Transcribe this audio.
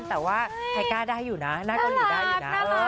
แต่ว่าไทก้าได้อยู่นะน่ารัก